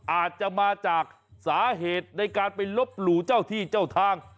อาจจะมาจากสาเหตุในการไปลบหลู่เจ้าที่เจ้าทาง